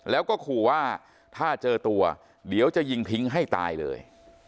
แล้วก็ขู่ว่าถ้าเจอตัวเดี๋ยวจะยิงทิ้งให้ตายเลย